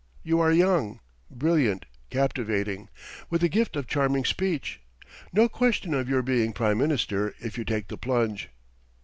You are young, brilliant, captivating, with the gift of charming speech. No question of your being Prime Minister if you take the plunge."